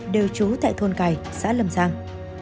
đều trú tại thôn cài xã lâm giang